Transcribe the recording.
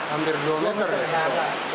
hampir dua meter ya